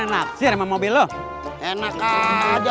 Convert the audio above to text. ini pindah sama robert abelos sama naya